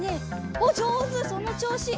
おっじょうずそのちょうし！